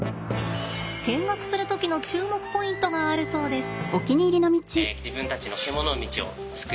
見学する時の注目ポイントがあるそうです。